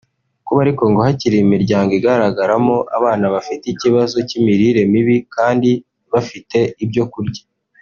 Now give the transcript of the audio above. Kuba ariko ngo hakiri imiryango igaragaramo abana bafite ikibazo cy’imirire mibi kandi bafite ibyo kurya